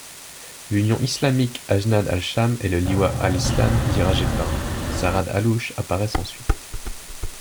L'Union islamique Ajnad al-Cham et le Liwa al-Islam, dirigé par Zahran Allouche, apparaissent ensuite.